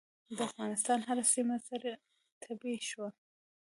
د افغانستان هره سیمه سره تبۍ شوه.